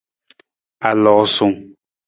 Aloosung.